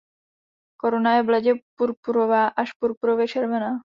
Koruna je bledě purpurová až purpurově červená.